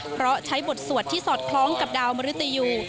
เพราะใช้บทสวดที่สอดคล้องกับดาวมริตยู